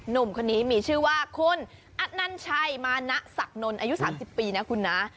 หนุ่มคนนี้มีชื่อว่าคุณอนัญชัยมานะศักดิ์นนท์อายุ๓๐ปีนะคุณนะ